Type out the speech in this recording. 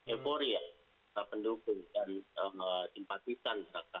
euforia pendukung dan simpatisan mereka